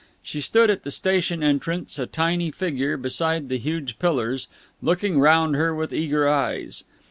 She stood at the station entrance, a tiny figure beside the huge pillars, looking round her with eager eyes.